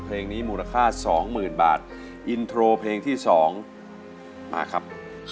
เพลงนี้มูลค่าสองหมื่นบาทอินโทรเพลงที่๒มาครับ